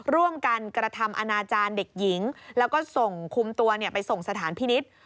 ร่วมกันกระทำอนาจารย์เด็กหญิงแล้วก็ส่งคุมตัวไปส่งสถานพินิษฐ์